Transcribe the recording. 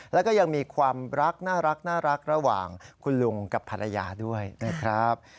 แล้วก็ยังมีความรักน่ารักระหว่างคุณลุงกับภรรยาด้วยนะครับ